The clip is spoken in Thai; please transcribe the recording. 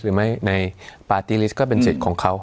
หรือไม่ในปาร์ตี้ลิสต์ก็เป็นสิทธิ์ของเขา